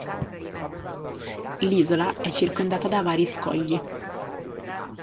L'isola è circondata da vari scogli.